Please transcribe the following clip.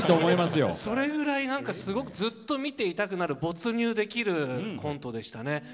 それぐらい、すごくずっと見ていたくなる没入できるコントでしたね。